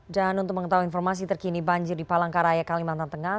dan untuk mengetahui informasi terkini banjir di palangkaraya kalimantan tengah